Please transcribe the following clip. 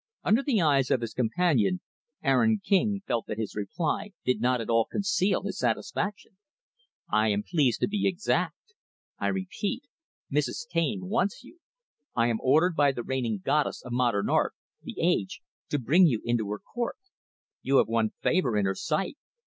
Under the eyes of his companion, Aaron King felt that his reply did not at all conceal his satisfaction. "I am pleased to be exact. I repeat Mrs. Taine wants you. I am ordered by the reigning 'Goddess' of 'Modern Art' 'The Age' to bring you into her 'Court.' You have won favor in her sight.